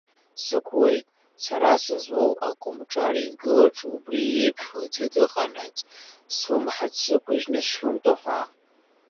Сықәуеит, сара сызлоу акомҿареидгылаҿы убри иеиԥшу аӡәы дыҟанаҵ, слымҳацә сықәыжьны сшымтәо ҳәа!